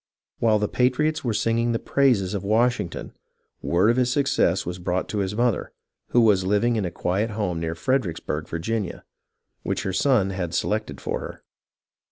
While the patriots were singing the praises of Washing ton, word of his success was brought to his mother, who was living in a quiet home near Fredericksburg, Virginia, which her son had selected for her.